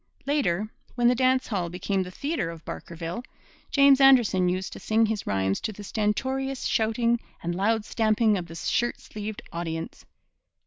Later, when the dance hall became the theatre of Barkerville, James Anderson used to sing his rhymes to the stentorious shouting and loud stamping of the shirt sleeved audience.